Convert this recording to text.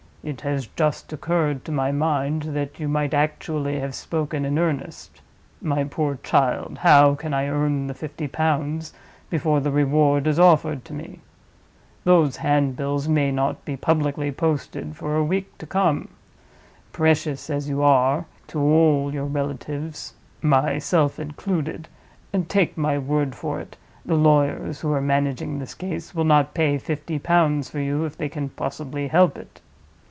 "It has just occurred to my mind that you might actually have spoken in earnest. My poor child! how can I earn the fifty pounds before the reward is offered to me? Those handbills may not be publicly posted for a week to come. Precious as you are to all your relatives (myself included), take my word for it, the lawyers who are managing this case will not pay fifty pounds for you if they can possibly help it.